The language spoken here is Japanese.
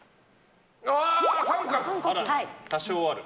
多少はある？